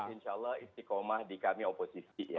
insya allah istiqomah di kami oposisi ya